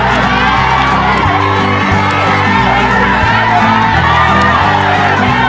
ทำไมเป็นคนกำลังไปนี่นี่